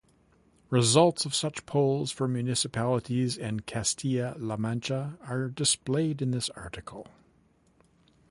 Results of such polls for municipalities in Castilla–La Mancha are displayed in this article.